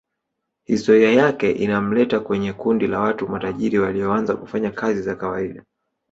Historia yake inamleta kwenye kundi la watu matajiri walioanza kufanya kazi za kawaida